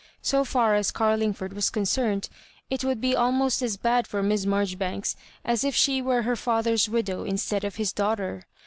So far as Carlingford was concerned, it would be almost as bad for Miss Marjoribanks as if she were her father's widow instead of his daughter.